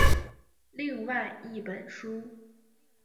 另外一本书。